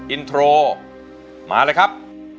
อินโทรมาเลยครับ